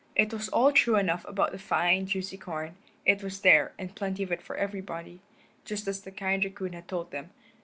It was all true enough about the fine, juicy corn; it was there, and plenty of it for everybody, just as the kind raccoon had told them.